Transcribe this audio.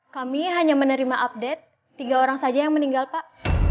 kami hanya menerima update tiga orang saja yang meninggal pak